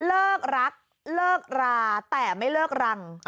เลิกรักเลิกราแต่ไม่เลิกรัง